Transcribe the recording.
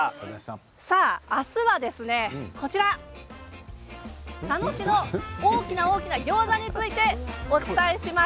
明日は佐野市の大きな大きなギョーザについてお伝えしていきます。